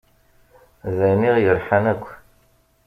D ayen i ɣ-yerḥan akk.